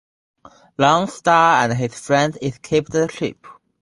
Lone Starr and his friends escape the ship.